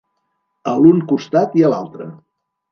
A l'un costat i a l'altre.